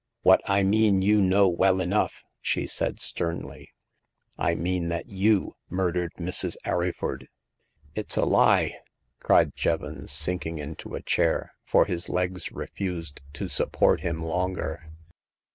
"What I mean you know well enough !" she said, sternly. " I mean that you murdered Mrs. Arryford !"" It's a lie !" cried Jevons, sinking into a chair, for his legs refused to support him longer.